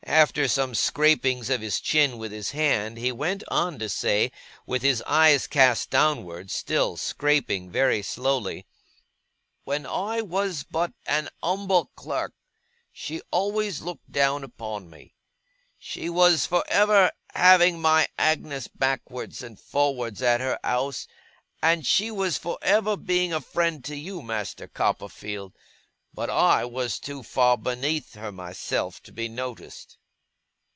After some scraping of his chin with his hand, he went on to say, with his eyes cast downward still scraping, very slowly: 'When I was but an umble clerk, she always looked down upon me. She was for ever having my Agnes backwards and forwards at her ouse, and she was for ever being a friend to you, Master Copperfield; but I was too far beneath her, myself, to be noticed.